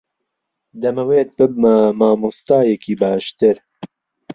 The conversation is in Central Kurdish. دەمەوێت ببمە مامۆستایەکی باشتر.